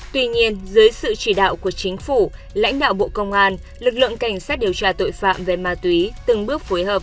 tuy nhiên dưới sự chỉ đạo của chính phủ lãnh đạo bộ công an lực lượng cảnh sát điều tra tội phạm về ma túy từng bước phối hợp